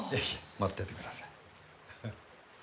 待っててください。